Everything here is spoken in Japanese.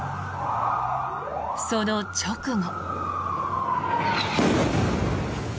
その直後。